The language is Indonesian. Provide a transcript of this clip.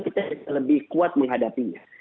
kita lebih kuat menghadapinya